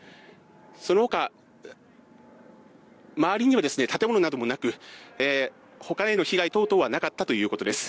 そのほか周りには建物などもなくほかへの被害などはなかったということです。